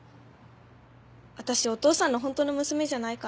私お父さんの本当の娘じゃないから。